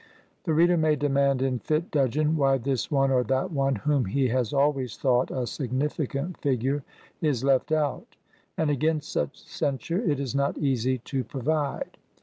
The reader may demand in fit dudgeon why this one or that one, whom he has always thought a significant figure, is left out; and against such censure it is not easy to provide.